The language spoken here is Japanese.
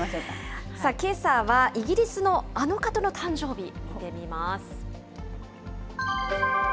けさはイギリスのあの方の誕生日、見てみます。